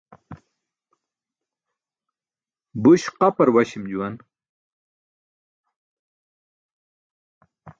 Buś qapar waśim juwan.